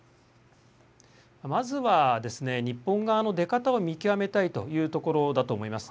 まずは日本側の出方を見極めたいというところだと思います。